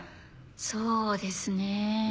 そうですね。